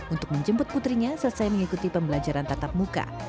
untuk menjemput putrinya selesai mengikuti pembelajaran tatap muka